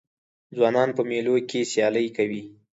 ځوانان په مېلو کښي سیالۍ کوي.